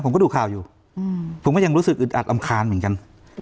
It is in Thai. ผมก็ดูข่าวอยู่ผมก็ยังรู้สึกอึดอัดรำคาญเหมือนกัน